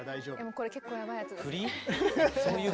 これ結構ヤバイやつです。